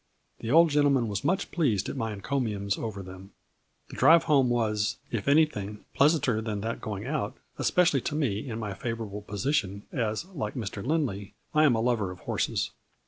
The old gentleman was much pleased at my encomiums over them. The drive home was, if anything, pleasanter than that going out, especially to me in my favorable position, as, like Mr. Lindley, I am a lover of horses.